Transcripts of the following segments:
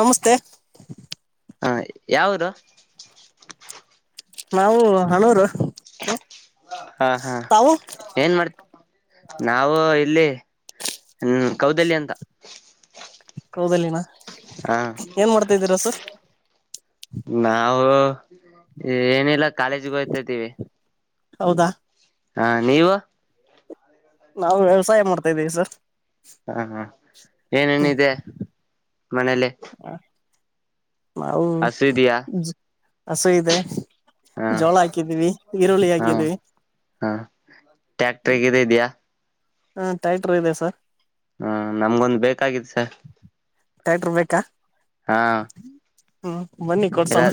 ನಮಸ್ತೆ ಹಾ ಯಾವುದು ನಾವು ಹನೂರು ಹಾ ಹಾ ಏನ್ ಮಾಡ್ ನಾವು ಇಲ್ಲಿ ಹ್ಮ ಕೌದಲ್ಯ ಅಂತ ಕೌದಲಿನ ಹಾ ಏನ್ ಮಾಡ್ತಾದ್ದೀರ ಸರ್ ನಾವವು ಏನಿಲ್ಲ ಕಾಲೇಜಗ ಹೋಯ್ತಾ ಇದ್ದೀವಿ ಹೌದಾ ಹಾ ನೀವು ನಾವು ವ್ಯವಸಾಯ ಮಾಡ್ತಾ ಇದಿದ್ದೀವಿ ಸರ್ ಹ ಹಾ ಏನೇನಿದೆ ಮನೇಲಿ ಹ ಹೌ ಹಸು ಇದೆಯಾ ಅಸ ಇದೆ ಹ ಜೋಳ ಹಾಕಿದೀವಿ ಈರುಳ್ಳಿ ಹಾಕಿದೀವಿ ಹಾ ಟ್ಯಾಕ್ಟರ್ಗ ಇದ್ಯಾ ಹಾ ಟ್ಯಾಟ್ರರು ಇದೆ ಸರ್ ಹಾ ನಮ್ಗೊಂದು ಬೇಕತ್ತು ಸ ಟ್ಯಾಟರ್ ಬೇಕಾ ಹಾ ಹ್ಮ್ ಬನ್ನಿ ಎಲ್ಲ ಕೊಡ್ಸೋಣ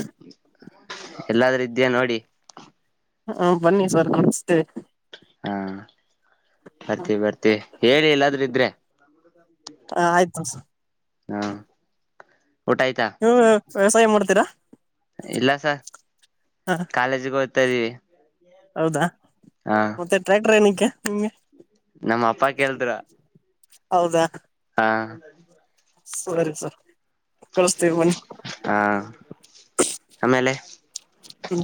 ಎಲ್ಲಾದ್ರೂ ಇದ್ಯಾ ನೋಡಿ ಹ್ಮ ಬನ್ನಿ ಸರ್ ನಮಸ್ತೆ. ಹಾ ಬರ್ತವಿ ಬರ್ತವಿ ಹೇಳಿ ಎಲ್ಲಾದ್ರೂ ಇದ್ರೆ. ಹ ಆಯ್ತು. ಹಾ ಊಟ ಆಯ್ತಾ. ನೀವು ವ್ಯವಸಾಯ ಮಾಡ್ತೀರಾ. ಇಲ್ಲ ಸಾರ್ ಹ ಕಾಲೇಜಿಗೆ ಹೋಗ್ತಾ ಇದ್ದೀವಿ. ಹೌದಾ. ಹಾ. ಮತ್ತೆ ಟ್ರ್ಯಾಕ್ಟರ್ ಏನಕ್ಕೆ ನಿಮಗೆ. ನಮ್ಮ ಅಪ್ಪ ಕೇಳದ್ರ. ಹೌದಾ. ಹಾ. ಸರಿ ಸರ್ ಕಳಸ್ತೇವಿ ಬನ್ನಿ. ಹಾ ಆಮೇಲೆ ಹ್ಮ.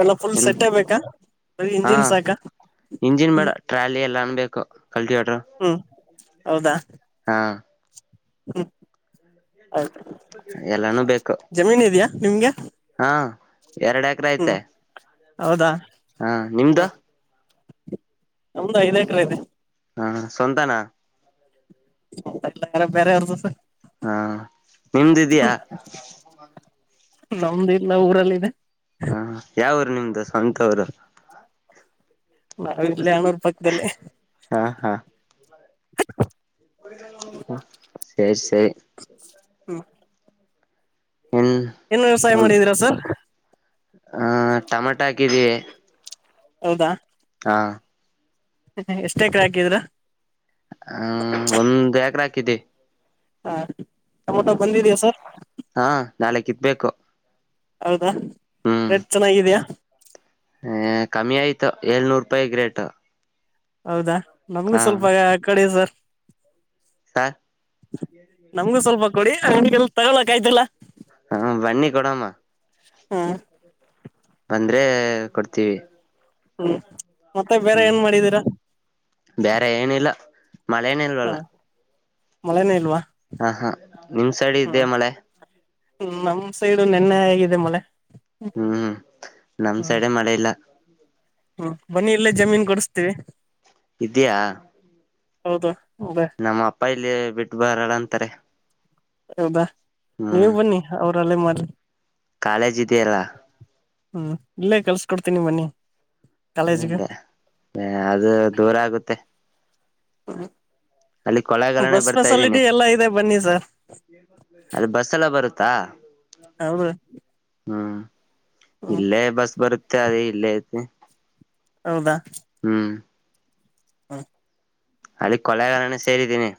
ಎಲ್ಲ ಫುಲ್ ಹ್ಮ್ ಸಟ್ಟೇ ಬೇಕಾ ಬರಿ ಇಂಜಿನ್ ಸಾಕ ಹ್ಮ. ಟ್ರ್ಯಾಲಿ ಎಲ್ಲಾನು ಬೇಕು ಕಲ್ತಿಯೋರು. ಹ್ಮ್ ಹೌದಾ. ಹಾ. ಹ್ಮ್ ಆಯ್ತ. ಎಲ್ಲಾನು ಬೇಕು. ಜಮೀನ್ ಇದೆಯಾ ನಿಮ್ಗೆ. ಹಾ ಎರಡ. ಹ್ಮ್ ಹೌದಾ. ಹಾ ನಿಮ್ದ. ನಮ್ದ್ ಐದ್ ಎಕರ ಐತೆ. ಹಾ ಸ್ವಂತನಾ. ಮ ಎಲ್ಲರ ಬೇರೆ ಅವ್ರದು ಸರ್. ಹಾ ನಿಮ್ದ ಇದಯಾ [unintelligible] ನಮ್ದ ಇಲ್ಲ ಊರಲ್ಲಿ ಇದೆ. ಹಾ ಯಾವುರು ನಿಮ್ದು ಸ್ವಂತ ಊರು. ನಾವಿಲ್ಲೆ ಹೊಣೂರ್ ಪಕ್ಕದಲ್ಲೇ. ಹಾ ಹಾ. [unintelligible] ಹ್ಮ್ ಹ್ಮ್. ಏನ್ ವ್ಯವಸಾಯ ಮಾಡಿದೀರಾ ಸರ್. ಹಹ ಟಮ್ಯಾಟೊ ಹಾಕಿದೀವಿ. ಹೌದಾ. ಹಾ. ಹ ಎಷ್ಟ ಎಕ್ರೇ ಹಾಕಿದಿರಾ. ಹ್ಮ ಒಂದ್ ಎಕ್ರೆ ಹಾಕಿದೆ. ಹಾಂ ಟೊಮೊಟೊ ಬಂದಿದೆಯಾ ಸರ್. ಹಾ ನಾಳೆ ಕಿತ್ಬೇಕು. ಹೌದಾ ರೆಟ್ ಚೆನ್ನಾಗಿದೆಯಾ. ಹೆ ಕಮ್ಮಿ ಆಯ್ತು ಏಳ್ನೂರು ರೂಪಾಯಿಕೆ ರೇಟು. ಹೌದಾ ನಮ್ಗು ಸ್ವಲ್ಪ ಹಾಕ್ಕೊಡಿ ಸರ್. ಹಾ. ನಮ್ಗೂ ಸ್ವಲ್ಪ ಕೊಡಿ ಅಂಗಡೀಲಿ ತಗೊಳಕ್ ಆಯ್ತಿಲ್ಲ ಹ ಬನ್ನಿ ಕೊಡಮ್ಮ ಹ್ಮ್ ಬಂದ್ರೇ ಕೊಡ್ತೀವಿ ಹ್ಮ್ ಮತ್ತೆ ಬೇರೆ ಹ್ಮ್ ಏನ್ ಮಾಡಿದೀರಾ ಬೇರೆ ಏನಿಲ್ಲ ಮಳೆನೆ ಹ ಇಲ್ವಲ್ಲ ಮಳೆನೇ ಇಲ್ವಾ ಹಾ ಹಾ ನಿಮ್ ಸೈಡ್ ಇದ್ಯಾ ಮಳೆ ಹ್ಮ ನಮ್ ಸೈಡ್ ನೆನ್ನೆ ಆಗಿದೆ ಮಳೆ ಹ್ಮ್ ನಮ್ ಹ್ಮ್ ಸೈಡೆ ಮಳೆ ಇಲ್ಲ ಹ್ಮ್ ಬನಿ ಇಲ್ಲೇ ಜಮೀನ್ ಕೊಡಿಸ್ತೀವಿ ಇದಿದ್ಯಾ ಹೌದ ಅೌದೇ ನಮ್ಮ ಅಪ್ಪ ಇಲ್ಲಿ ಬಿಟ್ಟಬಾರಳ ಅಂತಾರೆ ಹೌದಾ ನೀವು ಹ್ಮ್ ಬನ್ನಿ ಅವ್ರಲ್ಲೇ ಮಿ ಕಾಲೇಜ್ ಇದೆಯಲ್ಲ ಹ್ಮ್ ಇಲ್ಲೇ ಕೆಲ್ಸ ಕೊಡ್ತೀನಿ ಬನ್ನಿ ಕಾಲೇಜ್ಗೆ ಹ್ಮದ ಅದು ದೂರ ಆಗುತ್ತೆ ಅಲ್ಲಿ ಹ್ಮ ಕೊಳ್ಳೆಗಾಲನೆ ಬಸ್ ಫೆಸಿಲಿಟಿ ಎಲ್ಲಾ ಇದೆ ಬನ್ನಿ ಸರ್ ಅದ ಬಸ್ ಎಲ್ಲ ಬರುತ್ತಾ ಹೌದು ಹ್ಮ್ ಹ್ಮ್ ಇಲ್ಲೇ ಬಸ್ ಬರುತ್ತೆ ಅದೇ ಇಲ್ಲೇ ಐತೆ ಹೌದಾ ಹ್ಮ್ ಹ್ಮ ಅಲ್ಲಿ ಕೊಲೆಗಾರನ ಸೇರಿದ್ದೀನಿ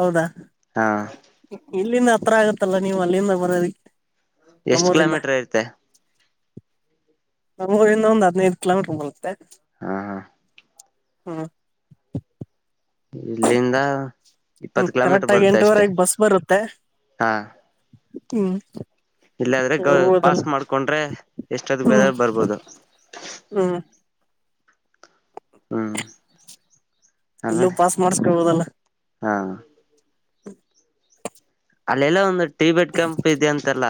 ಹೌದಾ ಹಾ ಇಲ್ಲಿಂದ ಹತ್ರ ಆಗತ್ತಲ್ಲ ನೀವು ಅಲ್ಲಿಂದ ಬರೋದಿಕ್ಕೆ ಎಷ್ಟು ನಮ್ಮೂರಿಂದ ಕಿಲೋಮೀಟರ್ ಐತೆ ನಮ್ಮ ಊರಿಂದ ಒಂದ್ ಹದಿನೈದು ಕಿಲೋಮೀಟರ್ ಬಗತ್ತೆ ಹಾ ಹಾ ಹಾ ಇಲ್ಲಿಂದ ಹ್ಮ್ ಇಪ್ಪತ್ತು ಕರೆಕ್ಟ್ ಕಿಲೋಮೀಟರ್ ಆಾಗಿ ಬರುತ್ತೆ ಅಷ್ಟೇ ಎಂಟೂವರೆಗೆ ಬಸ್ ಬರುತ್ತೆ ಹಾ ಹ್ಮ್ ಇಲ್ಲಾದ್ರೆ ಗ ಹೋಗೋದಲ್ಲ ಪಾಸ್ ಮಾಡ್ಕೊಂಡ್ರೆ ಎಷ್ಟೊದ್ ಬೇದ ಬರ್ಬೋದು ಹ್ಞ ಹಾ್ ಇಲ್ಲೂ ಪಾಸ್ ಮಾಡಸ್ಕೊಳ್ಬೋುದಲ್ಲ ಹಾ [unintelligible] ಅಲ್ಲೆಲ್ಲ ಒಂದು ಟಿ ಬೆಡ್ ಕೆಂಪ್ ಇದೆ ಅಂತೆಲ್ಲ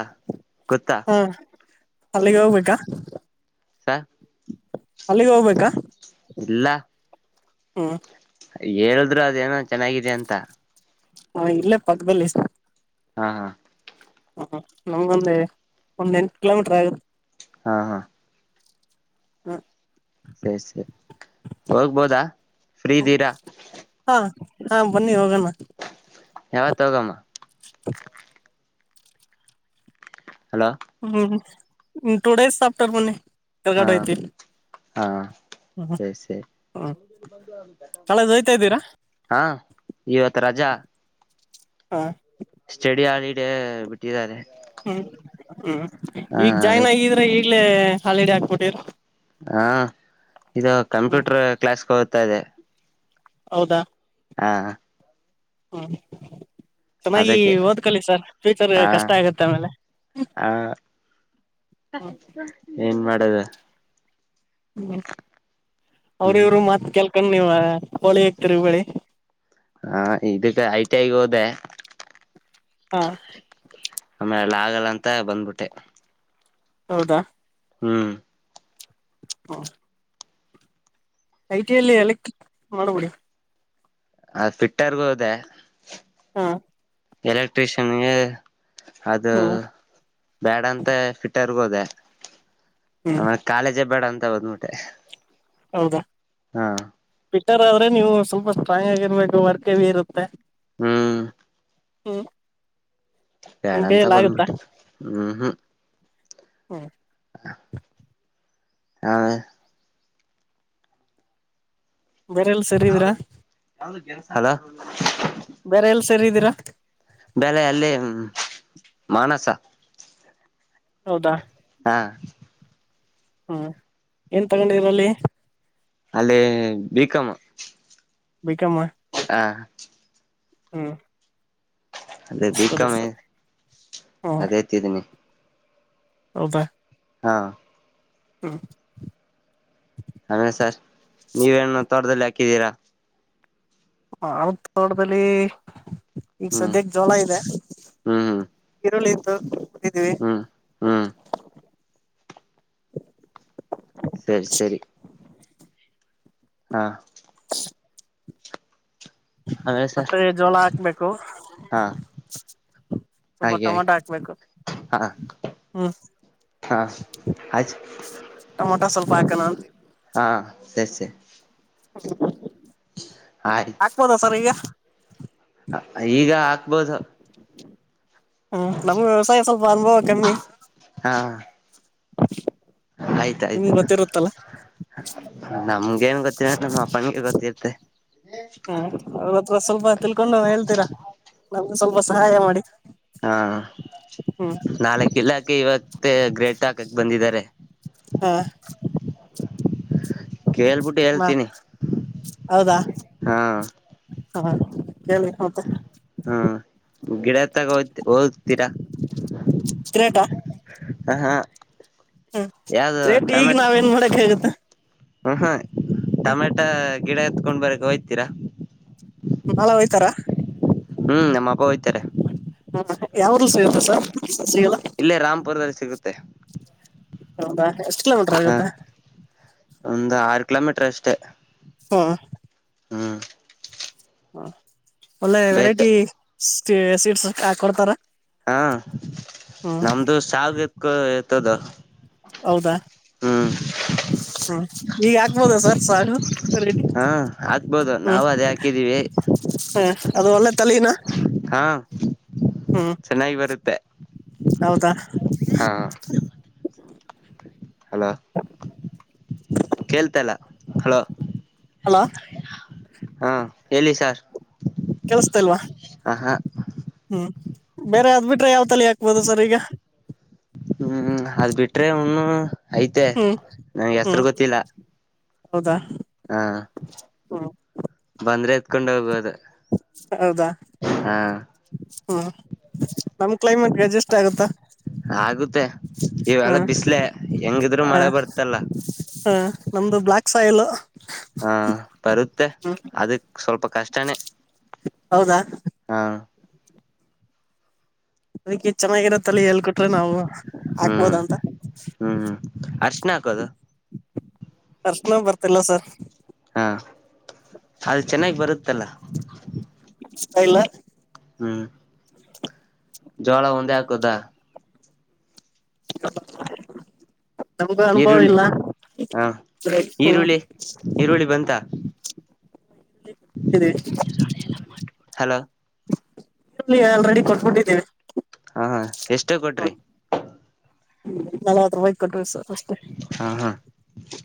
ಗೊತ್ತಾ ಹಾ ಅಲ್ಲಿಗೆ ಹೋಗ್ಬೇಕಾ ಅಲ್ಲಿಗೆ ಹೋಗ್ಬೇಕಾ ಇಲ್ಲ ಹಾಞ ಹೇಳಿದ್ರು ಅದೇನೋ ಚೆನ್ನಾಗಿದೆ ಅಂತ ಹಾ ಇಲ್ಲೇ ಪಕ್ಕದಲ್ಲಿ ಹಾ ಹಾ ಹ್ಮ ನಂಗೊಂದ ಒಂದ್ ಎಂಟು ಕಿಲೋಮೀಟರ್ ಆಗುತ್ತೆ ಹಾ ಹಾ ಹ ಸರಿ ಸರಿ ಹೋಗ್ಬೋದಾ ಫ್ರೀ್ದೀರಾ ಹಾ ಹಾ ಬನ್ನಿ ಹೋಗೋಣ ಯಾವತ್ ಹೋಗಮ್ಮ [unintelligible] ಹಲೋ ಹ್ಮ್ ಟೂ ಡೇಸ್ ಆಫ್ಟರ್ ಮೊನ್ನಿ ಹಾ ಕೆರಗಡೆ ಐ್ತಿ ಹಾ ಸರಿ ಸರಿ ಕಾಲೇಜ್ ಹೋಯ್ತಾ ಇದ್ದೀರಾ ಹಾ ಇವತ್ ರಜಾ ಹಾ ಸ್ಟಡಿ ಆಳಡ ಬಿಟ್ಟಿದ್ದಾರೆ ಹ್ಮ್ ಹ್ಮ್ ಹ ಈಗ ಜಾಯ್ನ್ ಅದಕ್ಕೆ ಆಗಿದ್ರೆ ಈಗ್ಲೇ ಹಾಲಿಡ ಆಕ್ಬಿಟ್ಟಿರ ಹಾ ಇದು ಹ್ಮ್ ಕಂಪ್ಯೂಟರ್ ಕ್ಲಾಸ್ಗೆ ಹೋಗ್ತಾ ಇದೆ ಹೌದಾ ಹಾ ಹ್ಮ ಚೆನ್ನಾಗಿ ಅದಕ್ಕೆ ಓದ್ಕಲಿ ಸರ್ ಫ್ಯೂಚರ್ ಹಾ ಕಷ್ಟ ಆಗತ್ತೆ ಆಮೇಲೆ ಹ ಏನ್ ಮಾಡದ ಹ್ಮ್ ಅವ್ರ ಹ್ಮ್ ಇವ್ರು ಮತ್ ಕೆಲ್ಕೊಂಡ್ ನೀವ ಹೋಳಿ ಇಕ್ತರಿ ಇಳಿ ಹಾ ಇದಕ್ಕೆ ಐ ಟಿ ಐಗ್ ಹೋದೆ ಹಾ ಆಮೇ ಎಲ್ಲ ಆಗಲ್ಲ ಅಂತ ಬಂದ್ಬಿಟ್ಟೆ ಹೌದಾ ಹ್ಮ್ ಹ ಐ ಟಿಿಯಲ್ಲಿ ಎಕ್ ಮಾಡಬಿಡಿ ಅ ಫಿಟ್ಟರ್ಗ ಹೋದೆ ಹಾ ಎಲೆಕ್ಟ್ರಿಷಿಯನ್ಗೆ ಅದು ಹ್ಮ್ ಬ್ಯಾಡ ಅಂತ ಫಿಟ್ರ್ ಆರ್ಗೋದ ಹ್ಮ್ ಕಾಲೇಜೆ ಬೇಡ ಅಂತ ಬಂದ್ಬಿಟೆ ಹೌದಾ ಹಾ ಫಿಟ್ಟರ್ ಆದ್ರೆ ನೀವು ಸ್ವಲ್ಪ ಸ್ಟ್ರಾಂಗ್ ಆಗಿರ್ಬೇಕು ವರ್ಕ್ವಿ ಇರುತ್ತೆ ಹ್ಮ್ ಹ ಬೇಡ ಅಂತ ಬಂದ್ಬಿಟ್ಟೆ ಹ್ಮ್ ಹ್ಮ್ ಹಾ ಹ ಹ ಬೇರೆ ಯಾವುದು ಸೇರಿದೀರಾ ಯಾವ ಕೆಲಸ ಆಗ್ಲಿಲ್ಲ ಬೇರೆ ಎಲ್ಲ ಸೇರಿದ್ದೀರಾ ಬೆಲೆ ಅಲ್ಲಿ ಮಾನಸ ಹೌದಾ ಹಾ ಹಾ ಏನ್ ತಗೊಂಡಿದೀರ ಅಲ್ಲಿ ಅಲ್ಲಿೇ ಬಿಕಾಮ ಬಿ ಕಮ್ಮ ಹಾ ಹೂ ಅದೇ ಬಿಕಮ್ಮೇ ಸರಿ ಹ್ಮ್ ಅದೇತಿದೀನಿ ಹೌದಾ ಹಾ ಹಂ ಆಮೇ ಸರ್ ನೀವೇನು ತೋಟದಲ್ಲಿ ಹಾಕಿದ್ದೀರಾ ಹ ಆ ತೋಡದಲ್ಲಿ ಈಗ ಹ್ಮ್ ಸದ್ಯಕ್ಕೆ ಜೋಳ ಇದೆ ಹ್ಮ್ ಈರುಳ್ಳಿ ಇತ್ತು ಕೊಟ್ಟಿದ್ದೀವಿ ಹ ಹಾ ಸರಿ ಸರಿ ಹಾ ಆಮೇಲೆ ಸರ್ ಮತ್ತೆ ಜೋಳ ಹಾಕ್ಬೇಕು ಹಾ ಸ್ವಲ್ಪ ಹಾಗೆ ಹಾಗೆ ಟೊಮಾಟೋ ಹಾಕ್ಬೇಕು ಹ್ಮ್ ಹಾಂ ಆಯ್ತು ಟಮೊಟ ಸ್ವಲ್ಪ ಹಾಕಣ ಅಂತ ಹಾಂ ಸರಿ ಸರಿ ಹ ಆಯ್ ಹಪ್ಪೋದಾ ಸರ್ ಈಗ ಈಗ ಹಾಕ್ಬೋದು ಹ್ಮ್ ನಮ್ ವ್ಯವಸಾಯ ಸ್ವಲ್ಪ ಅನುಭವ ಕಮ್ಮಿ ಹಾ ಆ ಆಯ್ತು ನಿಮ್ಗ್ ಗೊತ್ತಿರುತ್ತಲ್ಲ ನಮ್ಗೆ ಏನ್ ಗೊತ್ತಿನ ನ ಬಣಿಗೆ ಗೊತ್ತರ್ತೆೆ ಅವತ್ರ ಸ್ವಲ್ಪ ತಿಳ್ಕೊಂಡು ಹೇಳ್ತೀರಾ ನಮಗೆ ಸ್ವಲ್ಪ ಸಹಾಯ ಮಾಡಿ ಹಾ ಹ್ಮ್ ನಾಲ್ಕ ಇಲಾಕೆ ಇವತ್ತ ಗ್ರೇಟ್ ಹಾಕಕ್ ಬಂದಿದ್ದಾರೆ ಹಾ ಕೇಳ್ಬಿಟ್ಟು ಮಾ ಹೇಳ್ತೀನಿ ಹಾ ಹಾ ಕೇಳಿ ಮತ್ತೆ ಹಾ ಗಿಡತ್ತಾಗ ಹೋ್ ಹೋಗದ್ತೀರಾ ತಿರೆಟ ಹ ಹ್ಮ್ ಯಾವ್ದ ರೇಟ್ ಈಗ ನಾವ್ ಏನ್ ಮಾಡಕ್ ಹಗುತ್ತ ಹ್ಮ ಹ್ಮ ಟೊಮೆಟ ಗಿಡ ಎತ್ಕೊಂಡ್ ಬರಕ್ ಹೋಯ್ತೀರಾ ನಳ ಹಯ್ತಾರಾ ಹ್ಮ್ ನಮ್ಮ ಅಬ್ಬ ಹಯ್ತಾರೆ ಹಾ ಯಾವುದು [unintelligible] ಇಲ್ಲೇ ರಾಮಪುರದಲ್ಲಿ ಸಿಗುತ್ತೆ ಹೌದಾ ಎಷ್ಟು ಕಿಲೋಮೀಟರ್ ಹ ಆಗತ್ತೆ ಒಂದು ಆರು ಕಿಲೋಮೀಟರ್ ಅಷ್ಟೇ ಹಾ ಹ್ಮ್ ಹಾ ಒಳ್ಳೆ ಬೇಕು ವೆರೈಟಿ ಸ್ಟಿ ಸಿಡ್ಸ್ ಹಾಕೊಡ್ತಾರ ಹಾ ನಮ್ದು ಸಾಗಕ ಇತದೋ ಹೌದಾ ಹ ಈಗ ಹಾಗ್ಬೋದ ಸರ್ ಸಾಗು ರೆಡಿ ಆಗ್ಬೋದು ನಾವು ಅದೇ ಹಾಕಿದೀವಿ ಹ್ಮ ಅದು ಒಲ್ಲೇ ತಲಿನಾ ಹಾ ಹ್ಮ್ ಚೆನ್ನಾಗಿ ಬರುತ್ತೆ ಹೌದಾ ಹಾ ಹಲೋ ಕೇಳ್ತ ಇಲ್ಲ ಹಲೋ ಹಲೋ ಹಾ ಎಲ್ಲಿ ಸಾರ್ ಕೆಲ್ಸತಲ್ವಾ ಹ ಹಾ ಹ್ಮ್ ಬೇರೆ ಆದ್ ಬಿಟ್ರೆ ಯಾವ್ ತಲೆ ಹಾಕ್ಬೋದು ಸರ್ ಈಗ ಹ್ಮ್ ಅದ್ ಬಿಟ್ರೆ ಅವನು ಐತೆ ಹ್ಮ್ ನಂಗೆ ಹೆಸರು ಹ್ಮ್ ಹೌದಾ ಹಾ ಹ್ಮ್ ಬಂದ್ರೆ ಎತ್ಕೊಂಡ ಹೋಗಬಹುದು. ಹೌದಾ ಹಾ ಹ್ಮ್ ನಮ್ ಪೇಮೆಂಟ್ಗೆ ಅಡ್ಜಸ್ಟ್ ಆಗುತ್ತಾ. ಆಗುತ್ತೆ ಇವೆಲ್ಲ ಹ್ಮ್ ಬಿಸ್ಲೆ ಹೆಂಗಿದ್ರು ಮಳೆ ಹ ಬರ್ತಲ್ಲ. ಹ ನಮ್ದು ಬ್ಲಾಕ್ ಸ್ವಾಯಲ್ ಹಾ ಬರುತ್ತೆ ಅದಕ್ ಸ್ವಲ್ಪ ಕಷ್ಟನೇ. ಹೌದಾ ಹಾ ಅದಕ್ಕೆ ಚೆನ್ನಾಗಿರತ್ತ ಅಲ್ಲ ಹೇಳ್ಕೊಟ್ರೆ ನಾವು ಹ್ಮ್ ಹಾಕ್ಬೋದಂತ ಹ್ಮ್ ಅರ್ಶಣ ಹಾಕೋದು ಅರ್ಶನ ಬರ್ತಿಲ್ಲ ಸರ್ ಹಾ ಅದು ಚೆನ್ನಾಗಿ ಬರುತ್ತಲ್ಲ. ಅನ್ನಸ್ತಾ ಇಲ್ಲ. ಹು ಜೋಳ ಒಂದೇ ಹಾಕುದಾ [unintelligible] ನಮಗೂ ಅನುಭವ ಈರುಳ್ಳಿ ಇಲ್ಲ ಹ ಹ್ಮ ಈರುಳ್ಳಿ ಈರುಳ್ಳಿ ಬಂತ ಇರಿ ಹಲೋ ಈರುಳ್ಳಿ ಆಲ್ರೆಡಿ ಕೊಟ್ಬಿಟ್ಟಿದ್ದೀವಿ. ಹಾ ಹ ಎಷ್ಟೇ ಕೊಟ್ರಿ ನ ಹ ಕೊಟ್ರಿ ಸರ್ ಅಷ್ಟೆ ಹಾ ಹಾ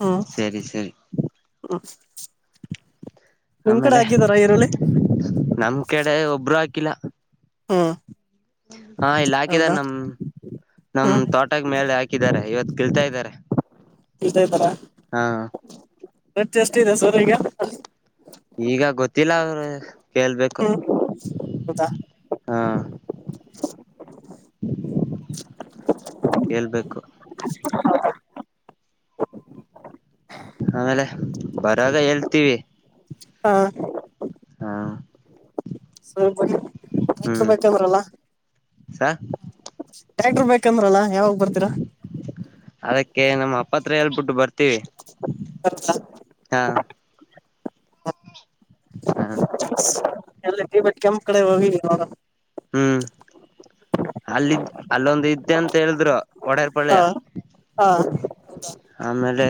ಹ್ಮ್ ಸರಿ ಸರಿ ಹ ಆಮೇಲೆ ನಮ್ ಕಡೆ ಒಬ್ರು ಹಾಕಿಲ್ಲ. ಹು ಹಾ ಇಲ್ಲಿ ಹಾಕಿದ್ದಾರೆ ನಮ ನಮ್ ಹ್ಮ್ ತೋಟದ ಮೇಲೆ ಹಾಕಿದ್ದಾರೆ ಇವತ್ ಕಿಲ್ತಾ ಇದ್ದಾರೆ. ಇಯತಾರ ಹಾ [unintelligible] ಎಷ್ಟದೆ ಸೋರ್ ಈಗ ಈಗ ಗೊತ್ತಿಲ್ಲ ಅವರು ಕೇಳ್ಬೇಕು. ಹ್ಮ್ ಹೌದಾ ಹಾ ಕೇಳ್ಬೇಕು ಆಮೇಲೆ ಬರಾಗ ಹೇಳ್ತೀವಿ ಹಾ ಹಾ ವ ಹ್ಮ್ ಬ ಅವ್ರಲ್ಲ ಸ ಟ್ಯಾಕ್ಟರ್ ಬೇಕಂದ್ರಲ್ಲಾ ಯಾವಾಗ ಬರ್ತಿರಾ ಅದಕ್ಕೆ ನಮ್ಮ ಅಪ್ಪತ್ರ ಹೇಳ್ಬಿಟ್ಟು ಬರ್ತೀವಿ ಹಾ ಹ್ಮ ಎಲ್ಲ ಬಟ್ ಕೆಂಪ ಕಡೆ ಹೋಗಿ ಇವಾಗ ಹ್ಮ್ ಅಲ್ಲಿದ್ದ ಅಲ್ಲೊಂದು ಇದ್ದೆ ಅಂತ ಹೇಳಿದ್ರು ಒಡಾರ್ ಹಾ ಪೊಳ್ಳೆಯ ಹಾ ಆಮೇಲೆ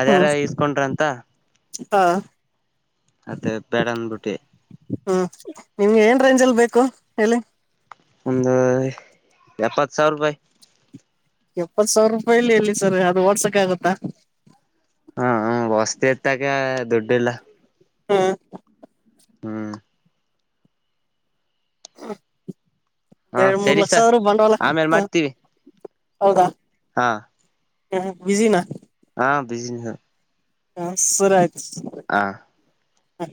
ಅದ್ಯಾರ ಹ್ಮ್ ಇಸ್ಕೊಂಡ್ರ ಅಂತ ಹಾ ಮತ್ತೆ ಬೇಡನ್ ರುಟ್ಟಿ ಹ್ಮ ನಿಮ್ಗೆ ಏನ್ ರೇಂಜ್ ಅಲ್ಲಿ ಬೇಕು ಹೇಳಿ ಒಂದು ಎಪ್ಪತ್ ಸಾವಿರ ರೂಪಾಯಿ ಎಪ್ಪತ್ ಸಾವಿರ ರೂಪಾಯಿಲಿ ಇಲ್ಲಿ ಸರ್ ಅದು ಓಡ್ಸಕ್ ಆಗುತ್ತಾ ಹಾ ಹ ವಸ್ತಿ ಇತ್ತಕ ದುಡ್ಡಿಲ್ಲ ಹಾ ಹ್ಮ್ ಹ್ಮ ಹಾ ಎರಡ್ ಮೂರ್ ಸರಿ ಲಕ್ಷ ಸರ್ ಆದ್ರರು ಬಂಡವಾಳ ಆಮೇಲೆ ಮಾಡ್ತೀವಿ ಹೌ ಹಾ ಹ ಬಿಿಸಿಿನ ಹಾ ಬಿಸಿನಸ್ ಹಾ ಸರಯ್ತು ಹಾ ಹ್ಮ